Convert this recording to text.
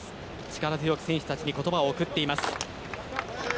力強く選手たちに言葉を送りました。